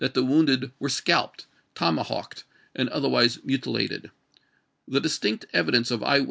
the wounded were scalped, tomahawked, and other v<,i.viii.. wise mutilated; the distinct evidence of eyewit I)I».